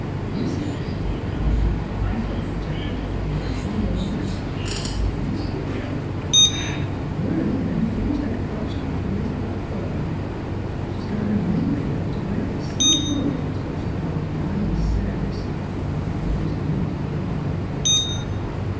" You 44 NEIGHBORS set th' kettle over, Ma, V put that johnny cake in th' oven t' warm. 'S soon 's we've et, I got t' whirl in an' finish that cos tume f'r Mis' Buck thorn. She's got her mind made up t' wear it Sun day mornin' t' what she calls d'vine service, though goodness knows why."